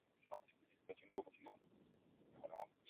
反应佛道融合之民间信仰特色。